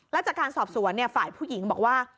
แล้วจากการสอบสวนฝ่ายผู้หญิงบอกว่า